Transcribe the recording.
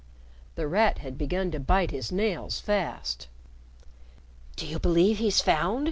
The Rat had begun to bite his nails fast. "Do you believe he's found?"